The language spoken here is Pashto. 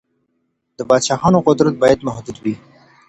د پادشاهانو قدرت بايد محدود وي.